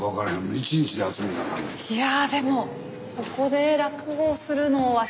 いやでもここで落語をするのは渋いですね。